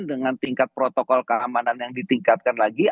dengan tingkat protokol keamanan yang ditingkatkan lagi